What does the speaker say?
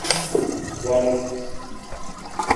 Worung.